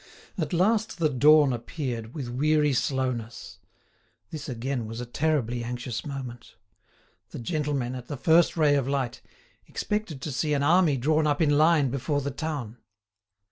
At last the dawn appeared with weary slowness. This again was a terribly anxious moment. The gentlemen, at the first ray of light, expected to see an army drawn up in line before the town.